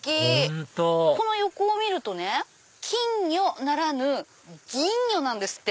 本当この横を見るとね金魚ならぬ銀魚なんですって。